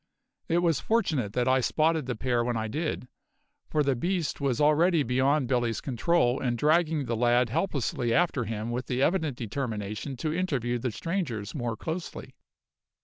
It was fortunate that I spotted the pair when I did, for the beast was already beyond Billy's control and dragging the lad helplessly after him with the evident determination to interview the strangers more closely.